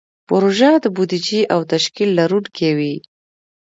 پروژه د بودیجې او تشکیل لرونکې وي.